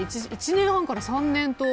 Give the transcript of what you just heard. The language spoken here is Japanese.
１年半から３年と。